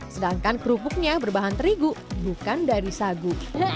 sedangkan kerupuknya berbahan terigu bukan dari sagu